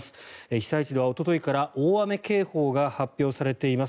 被災地ではおとといから大雨警報が発表されています。